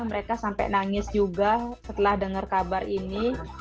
mereka sampai nangis juga setelah dengar kabar ini